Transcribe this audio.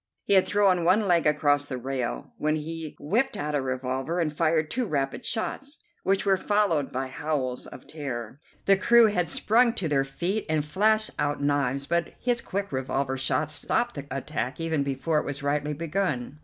He had thrown one leg across the rail, when he whipped out a revolver and fired two rapid shots, which were followed by howls of terror. The crew had sprung to their feet and flashed out knives, but his quick revolver shots stopped the attack even before it was rightly begun.